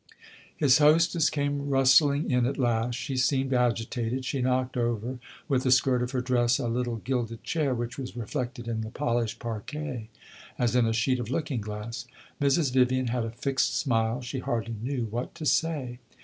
His hostess came rustling in at last; she seemed agitated; she knocked over with the skirt of her dress a little gilded chair which was reflected in the polished parquet as in a sheet of looking glass. Mrs. Vivian had a fixed smile she hardly knew what to say.